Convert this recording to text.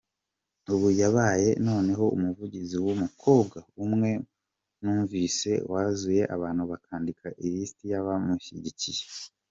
“Ubu yabaye noneho umuvugizi w’umukobwa umwe numvise wazuye abantu bakandika ilisiti y’abamushyigikiye.